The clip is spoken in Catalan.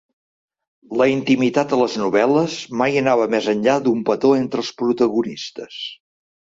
La intimitat a les novel·les mai anava més enllà d'un petó entre els protagonistes.